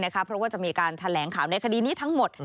เพราะว่าจะมีการแถลงข่าวในคดีนี้ทั้งหมด